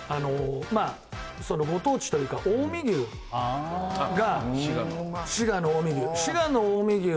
まあそのご当地というか近江牛が滋賀の近江牛